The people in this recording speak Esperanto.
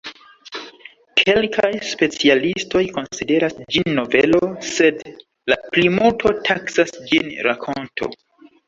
Kelkaj specialistoj konsideras ĝin novelo, sed la plimulto taksas ĝin rakonto.